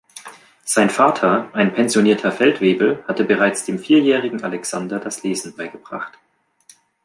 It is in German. Sein Vater, ein pensionierter Feldwebel, hatte bereits dem vierjährigen Alexander das Lesen beigebracht.